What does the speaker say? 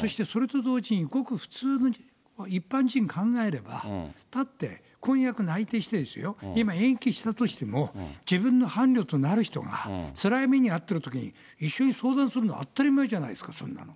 そしてそれと同時に、ごく普通の一般人、考えれば、だって、婚約内定してですよ、今、延期してたとしても、自分の伴侶となる人がつらい目に遭ってるときに、一緒に相談するのは当たり前じゃないですか、それは。